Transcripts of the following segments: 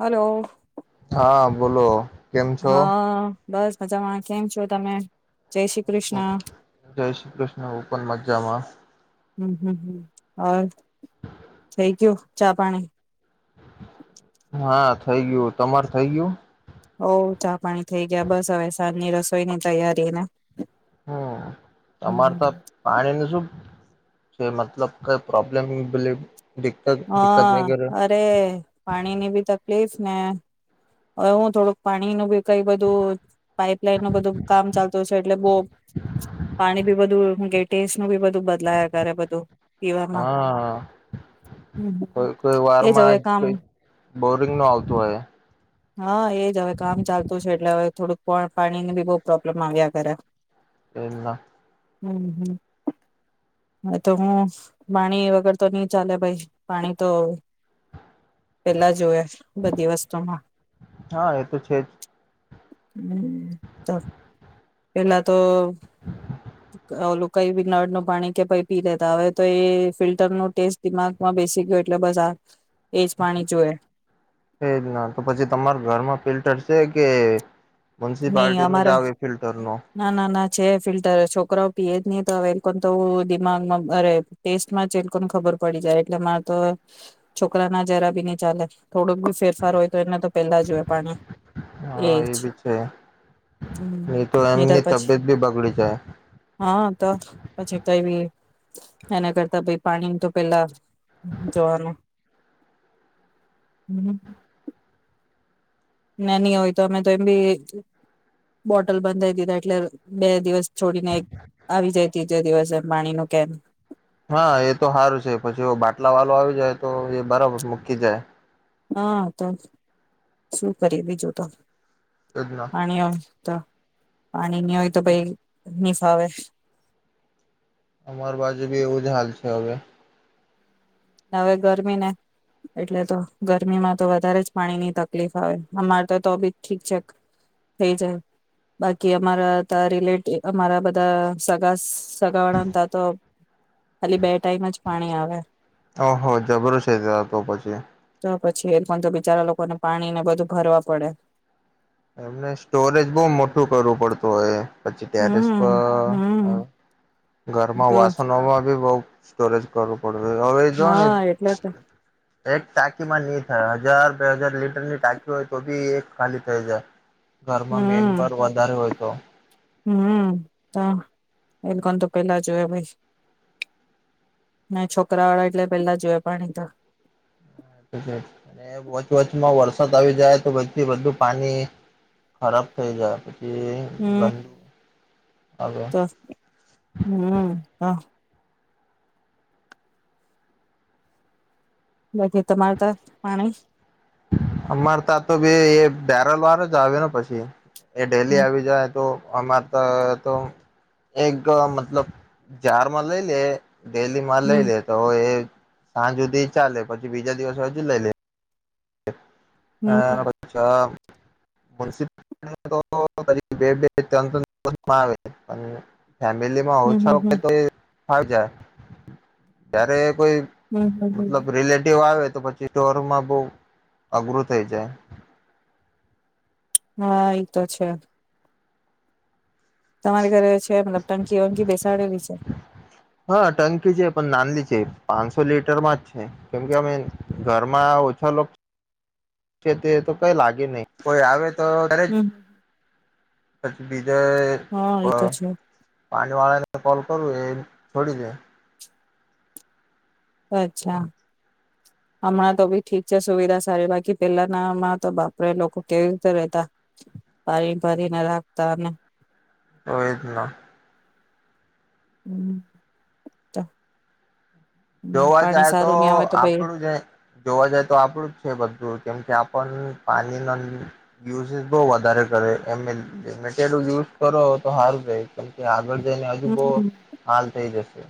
Hello. હાં, બોલો. કેમ છો? હાં. બસ મજામાં. કેમ છો, તમે? જય શ્રી કૃષ્ણ જય શ્રી કૃષ્ણ! હું પણ મજામાં. હમ્મ, હમ્મ, હ થઈ ગયું, ચા પાણી? હાં, થઇ ગયું. તમારે થઇ ગયું? ઓઉ ચા પાણી થઈ ગયા, બસ હવે સાંજની રસોઈ ની તૈયારીને હમ્મ, અમારે તો પાણી ન શું જે મતલબ કઈ પ્રોબ્લેમ બ હાં, અરે પાણી ની બી તકલીફ- ને હવે હું થોડુંક પાણી નું બી કઈ બધું પાઈપલાઈન નું બધું કામ ચાલતું છે, એટલે બહુ પાણી બી બધું હું કે ટેસ્ટ પીવામાં હાં, હમ કોઈ કોઈ વાર એજ માં હવે જ કામ કઈક બોરિંગ નું આવતું હોય. હાં, એજ હવે કામ ચાલતું છે, એટલે હવે થોડુંક પણ પાણી ની બી બહુ પ્રોબ્લેમ આવ્યા કરે. એ ના. હમ્મ હમ્મ તો હું પાણી વગર તો નઈ ચાલે ભાઈ પાણી તો પેલા જોય બધી વસ્તુમાં. હા, એતો છે જ. હમ્મ ત. પેલા તો ઓલું ‌કોઈ નળનું પાણી કે પી લેતા હવે તો એ ફિલ્ટર ન ટેસ્ટ દિમાગમાં બેસી ગયો એટલે બસ આ એજ પાણી જોએ એ જ ના તો પછી તમાર ઘરમાં ફિલ્ટર છે કે? નહી મ્યુનિસિપાલિટી નું અમારે આવે ફિલ્ટર નું? ના ના ના છે, ફિલ્ટર છોકરાઓ પીએ જ નહી તો હવે તો દિમાગમાં અરે ટેસ્ટમાં એલોકો ને ખબર પડી જાય એટલે મારે તો છોકરા ના જરા બી ન ચાલે. થોડુંક બી ફેરફાર હોય તો એને તો પેલા જ હોય પાણી હા એજ. એ બી છે નહી તો તાર એમની પછી તબિયત બી બગડી જાય હાં ત પછી [unintelligible] એના કરતાં ભ પાણી તો પેલા જોવાનું હમ્મ. ને ની હોય તો અમે તો એમ બી બોટલ બંધાઈ દીધા એટલે બે દિવસ છોડીને આવી જાય તો ત્રીજા દિવસ એ પાણી નો કેન. હા એ તો હારું છે પછી બાટલા વાલો આવી જાય તો એ બરાબર મૂકી જાય. હા તો શું કરીએ બીજું તો. એજ ના પાણી આવ. તો પાણીની હોય તો પાહિ ની ફાવે. અમાર બાજુ બી એવું જ હાલ છે હવે. હવે ગરમીને એટલે તો ગરમીમાં તો વધારે જ પાણી ની તકલીફ આવે અમારે તો તો બી ઠીક છેક થઈ જાય બાકી અમારા ત રિલે અમારા બધા સગા સ સગાવાળા ને તા તો ખાલી બે ટાઈમ જ પાણી આવે. ઓહો, જબરુ છે ત તો પછી. પછી એ પણ તો બિચારા લોકોને પાણી ને બધું ભરવા પડે. એમને સ્ટોરેજ બહુ મોટું કરવું પડતું હોય. પછી ટેરેસ હમ પર અ હમ ઘરમાં તો વાસણમાં બી બઉ સ્ટોરેજ કરવો પડ હા એટલે એક ટાંકી માં નહી થાય, હજાર બે હજાર લીટર ની ટાંકી હોય તો બી એક ખાલી થઈ જાય. ઘરમાં મેમ્બર વધારે હોય તો હમ્મ તો, એ લોકોને તો પેલા જોવે ભાઈ. માર છોકરા વાળા એટલે પેલા જોયા પાણી તો. પછી અને વચ વચમાં વરસાદ આવી જાય તો પછી બધું પાણી ખરાબ થઈ જાય. પછી ગંદુ હમ્મ આવે તો હમ્મ તો. બાકી તમારે તો, પાણી અમારે ત્યાં તો ભી એ બેરલ વારો જ આવેલો પછી. એ ડેલી હમ આવી જાય તો આમાં તો તો એક મતલબ જારમાં લઈ લે ડેલી માલ લઈ હમ લે તો એ સાંજ સુધી ચાલે પછી બીજા દિવસ હજુ લઈ લે. અ હમ છ [unintelligible] મુનસી [unintelligible] તો બે બે તંત્ર આવે પણ ફેમિલી માં હમ ઓછા ઓ હમ કે હમ તો એ આવી જાય ત્યારે કોઈ હમ હમ મતલબ રિલેટિવ આવે. તો પછી ડોરમાં બવ. અઘરું થઈ જાય. હા એતો છે. તમારે ઘરે છે મતલબ ટંકી વંકી બેસાડેલી છે. હા ટંકી છે પણ નાંલી છે પાંચસો લીટર માં જ છે કેમ કે અમે ઘરમાં ઓછા લોકો છે તે તો કઈ લાગે નહી કોઈ આવે તો ઘરે જ. હમ પછી બીજ. જય હા એ તો છે [unintelligible] પાંણી વાળા ને કોલ કરું એ છોડી દે. અચ્છા હમણાં તો બી ઠીક છે સુવિધા સારી બાકી પેલાનામાં તો બાપરે લોકો કેવી રીતે રતા પાણી ભરીને રાખતા અને. તો એ જ ન. હમ્મ, [unintelligible] જોવા જાય તો ભાઈ આપડું જ જોવા જાય તો આપડું જ છે બધુંજ કેમકે આપણ પાણીના યુઝ બહ વધારે કરે ઈ મીણ યુઝ કરો તો હારુ રેહ, કેમ કે આગળ ને હજુ બઉ હમ હાલ થઈ જશે.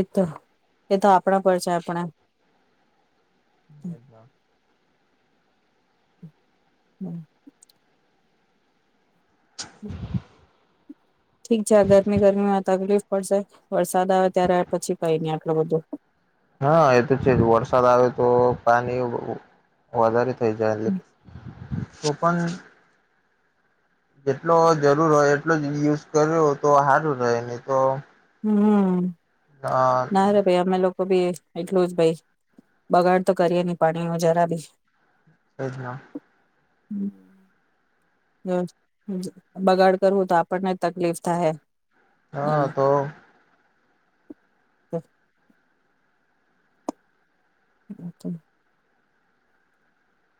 એતો એતો આપડા પર છે, આપણે એજના હમ્મ. હમ્મ. ઠીક છે ગરમી ગરમીમાં તકલીફ પડશે વરસાદ આવે ત્યારે આ પછી કઈ નઈ આ એ બધું હા, એતો છેજ, વરસાદ આવે તો પાણી વધારે [unintelligible] ઓપન જેટલો જરૂર હોય એટલો જ યુઝ કર્યો હોય તો સારું રહે, નીતો હમ્મ. ના રે ભાઈ અમે લોકો. ભી એટલું જ ભાઈ બગાડ તો કરીએ નહી પાણી નું જરા બી. એજના. હમ્મ. [unintelligible] બગાડ કરવું તો આપણને તકલીફ થાહે. હા તો.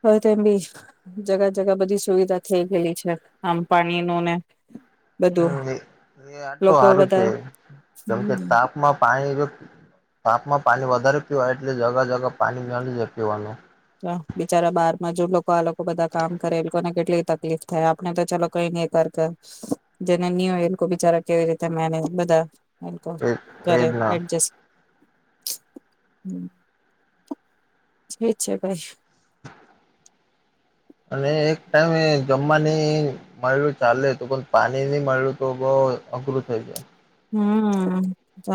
હવે તેમ બી જગા જગા બધી સુવિધા થઈ ગયેલી છે આમ પાણી નુ ને. બધું હા એ આટલું લોકો સારું છે બધા કેમ કે તાપમાં પાણી તાપમાં પાણી વધારે પીવાય એટલે જગા જગા પાણી નળી જાય પીવાનું. ત બિચારા બારમાં જો લોકો આ લોકો બધા કામ કરે એ લોકોને કેટલી તકલીફ થાય આપણે તો ચાલ કઈ ન કર જેને ની હોય એ લોકો બિચારા કેવી રીતે મેને બધા. [unintelligible] એ કરે એજ ના એડજેસ્ટ છે. છ કાય અને એક ટાઈમે એ જમવાની મળલું ચાલે તો પણ પાણી ની મળલું તો બઉ અઘરું થઈ જાય. હમ્મ તો.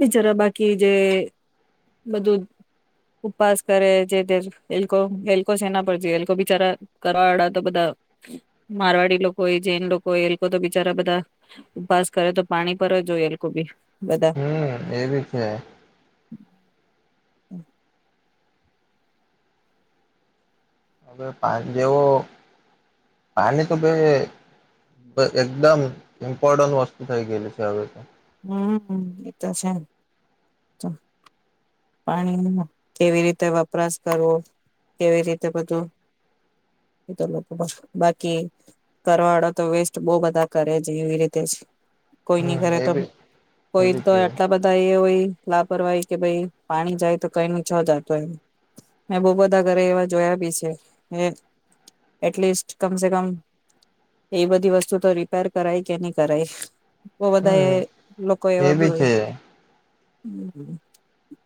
બિચારા બાકી જે બધું ઉપવાસ કરે જેતે એ લોકો એલોકો સેના પર જીયે એ લોકો બિચારા કરવા વાળા તો બધા મારવાડી લોકો હોય જૈન લોકો હો એલોકો તો બિચારા બધા ઉપવાસ કરે તો પાણી પર જ જોય એલોકો બી. બધા. એવી છે. હમ્મ. હવે પા જેવો પાણી તો ભ એકદમ ઇમ્પોર્ટન્ટ વસ્તુ થઈ ગયેલી છે હવે તો. હમ્મ એ તો છે જ. પાણી ન કેવી રીતે વપરાશ કરવો, કેવી રીતે બધું [unintelligible] લોકો બાકી કરવા વાળો તો વેસ્ટ બહ બધા કરે છે એવી રીતેજ. કોઈ હમ નઈ કરે એ તો, બી એ કોઈ બી તો છે આટલા બધા એ હોય. લાપરવાહી, કે ભાઈ પાણી જાય તો કઈ ની છો જાયતો. એમ મેં બવ બધા ઘરે જોયા બી શે. એટલીસ્ટ કમસે કમ, એ બધી વસ્તુ તો રિપેર કરાય કે ની કરાય. બહુ બધા હમ એ, લોકો એ એવા બી હોય. છે [unintelligible]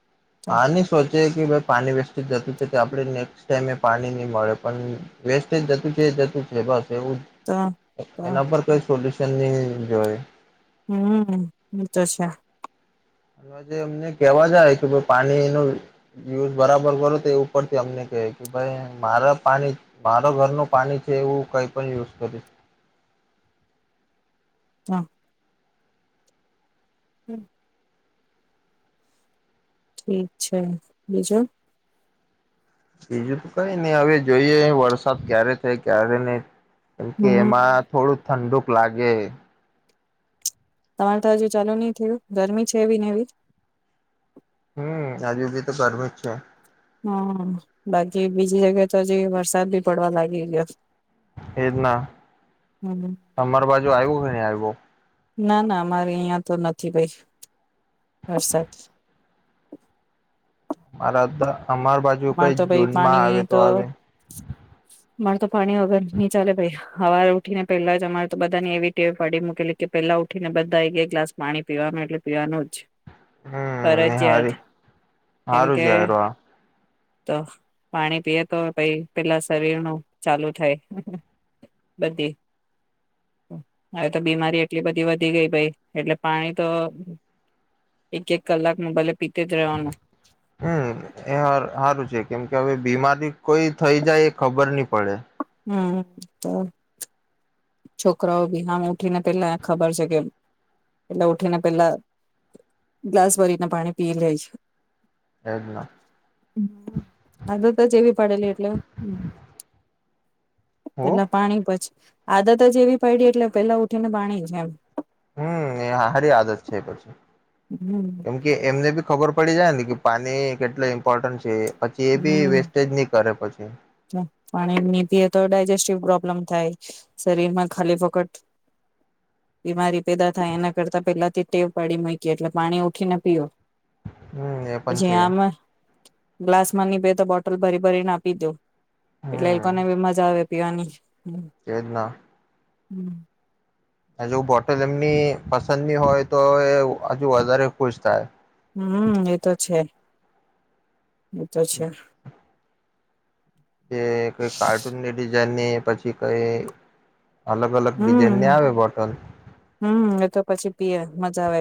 તો હા, ને સો કે [unintelligible] પાણી વેસ્ટેજ જતું છે તો આપડે નેક્સ્ટ ટાઈમે પાણી નહી મળે પણ, વેસ્ટેજ જતું છે, જતું છે બસ એવું, એના પર કઈ સોલ્યુશન નહી જોય. હમ્મ, એતો છે. અને જે અમને કેવા જાય કે પાણીનો યુઝ બરાબર કરો તો, એ ઉપરથી અમને કહે કે ભાઈ. મારા પાણી મારા ઘરનું પાણી છે. એ હું કઈ પણ યુઝ કરીશ. હા. હમ્મ. ઠીક છે, બીજું? બીજું તો કઈ નહી હવે જોઈએ, વરસાદ ક્યારે થાય ક્યારે નહી કેમકે હમ એમાં થોડુંક ઠંડુક લાગે. તમારે તો હજુ ચાલુ નહી થયું, ગરમી છે એવીને એવી? હમ્મ, હજુ બી તો ગરમી જ છે. હા, બાકી બીજી જગ્યાએ તો હજી, વરસાદ બી પડવા લાગી ગયો. એજના. તમાર બાજુ આવ્યું કે ની આવ્યું? ના ના. અમારે અહિયાં તો નથી ભાઈ, વરસાદ. [unintelligible] અમાર બાજુ અમારે કઈ, તો ભાઈ જૂનમાં પાણી આવે તો આવે. અમારે તો પાણી વગર ની ચાલે ભાઈ, હવારે ઉઠી ને પહેલાજ અમારે તો બધાની એવી ટેવે ફાડી મૂકેલી કે, પેલા ઉઠીને બધા એક એક ગ્લાસ પાણી પીવાવામાં એટલે પીવાનુંજ. હમ્મ, હાર હારું કેમકે છે હારુ આ. તો. પાણી પીએ તો ભાઈ પેલા શરીર નું ચાલુ થાય બધી, હવે તો બીમારી એટલી બધી વધી ગઈ ભાઈ, એટલે પાણી તો એક એક કલાકમાં ભલે પીતે જ રહેવાનું હમ્મ, એર સારું છે, કેમકે હવે બીમારી કોઈ થઈ જાય એ ખબર ની પડે. હમ્મ. તો છોકરાઓ બી આમ ઉઠીને પેલા ખબર છે, કે એટલે ઉઠીને પેલા ગ્લાસ ભરીને પાણી પી લે છે. એજ ના આધતજ એવી પડેલી એટલે હું પેલા પાણી પછી આદતજ એવી પડી એટલે પેલા ઉઠીને પાણી, એમ. હમ્મ, એ હારી આદત છે પછી, હમ કેમકે એમને ભી ખબર પડી જાય ને કે પાની કેટલુ ઇમ્પોર્ટન્ટ છે એ પછી એ બી વેસ્ટેજ ની કરે પછી પાણી નહી પીએ તો ડાયજેસ્ટિવ પ્રોબ્લેમ થાય. શરીર માં ખાલી ફોકટ બીમારી પેદા થાય એના કરતા પેલાથી ટેવ પાડી મૂકી એટલે પાણી ઉઠીને પીઓ. હમ્મ એ પણ છે. ગ્લાસમાંની બેે તો બોટલ ભરી ભરીને આપી દે. એટલે એ લોકો ને બી મજા આવે. પિવાની. કેજના હમ્મ. હજુ બોટલ જો એમની પસંદની હોય તો એ હજુ વધારે ખુશ થાય. હમ્મ, એતો છે. અચ અચ્છ. તે કઈ કાર્ટૂન લેડી જેની પછી કંઈ હમ્મ, હમ્મ, એતો પછી પીએ મજા આવે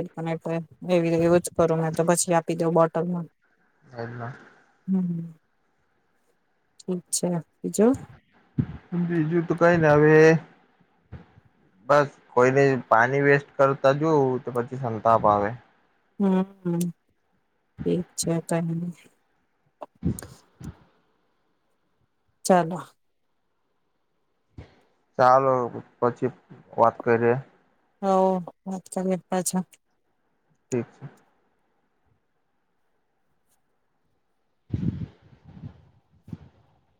એવી એવું જ કરું મે તો પછી આપી દઉ બો અમાં લાઈનમાં હમ્મ. ઠીક છે. બીજું તો કઈ નઈ, હવે બસ કોઈને પાણી વેસ્ટ કરતા જોવું તો પછી સંતાપ આવે હમ્મ, હમ્મ ઠીક છે [unintelligible] [inaudible] ચાલો. ચાલો પછી વાત કરીએ. હોવ વાત કરીએ પાછા. ઠીક છે. [inaudible]